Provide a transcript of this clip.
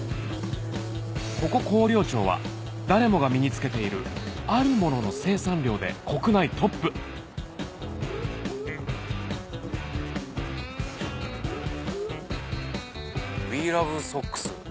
ここ広陵町は誰もが身に着けているあるものの生産量で国内トップ「ＷＥ♥ＳＯＣＫＳ！」。